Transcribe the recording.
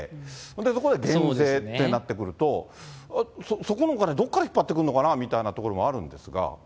そこで減税ってなってくると、そこのお金、どっから引っ張ってくるのかなっていうこともあるんですが。